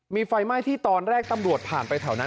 มีไฟไหม้ที่ตอนแรกตำรวจผ่านไปแถวนั้น